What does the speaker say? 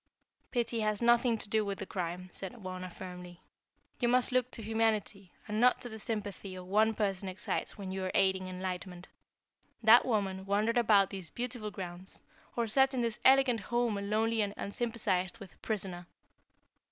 "Pity has nothing to do with crime," said Wauna, firmly. "You must look to humanity, and not to the sympathy one person excites when you are aiding enlightenment. That woman wandered about these beautiful grounds, or sat in this elegant home a lonely and unsympathized with prisoner.